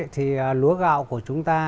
thì lúa gạo của chúng ta